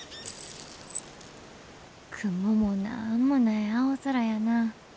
雲もなんもない青空やな。